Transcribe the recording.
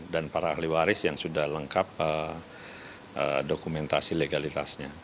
dan para ahli waris yang sudah lengkap dokumentasi legalitasnya